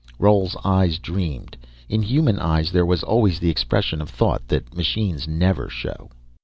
Roal's eyes dreamed. In human eyes there was always the expression of thought that machines never show.